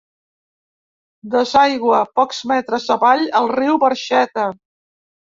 Desaigua, pocs metres avall, al riu Barxeta.